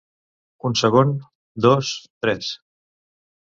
Un segon, dos, tres.